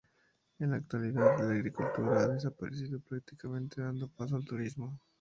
En la actualidad, la agricultura ha desaparecido prácticamente dando paso al turismo.